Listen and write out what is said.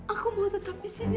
aku mau tetap disini